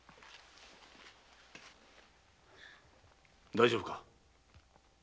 大丈夫か？